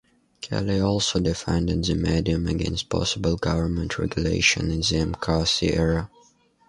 Kelly also defended the medium against possible government regulation in the McCarthy era.